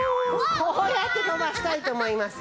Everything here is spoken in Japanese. こうやってとばしたいとおもいますよ。